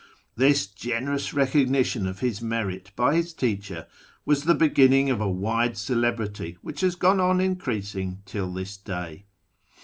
This generous recognition of his merit by his teacher was the beginning of a wide celebrity which has gone on increasing till this day.